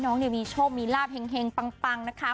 น้องเนี่ยมีโชคมีลาบเห็งปังนะคะ